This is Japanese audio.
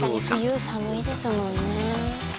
冬寒いですもんね